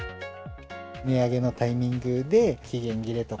値上げのタイミングで、期限切れとか、